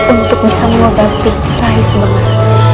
untuk bisa mengobati rai subanglarang